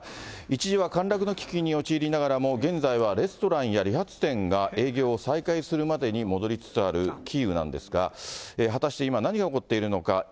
一時は陥落の危機に陥りながらも、現在はレストランや理髪店が営業を再開するまでに戻りつつあるキーウなんですが、果たして今、何が起こっているのか。